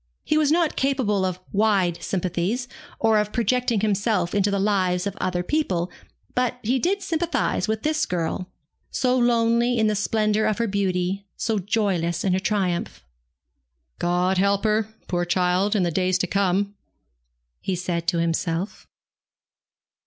He was not capable of wide sympathies, or of projecting himself into the lives of other people; but he did sympathize with this girl, so lonely in the splendour of her beauty, so joyless in her triumph. 'God help her, poor child, in the days to come!' he said to himself.